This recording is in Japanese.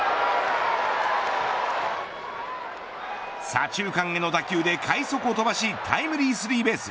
左中間への打球で快足を飛ばしタイムリースリーベース。